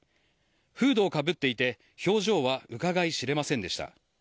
フードをかぶっていて表情はうかがい知れませんでした。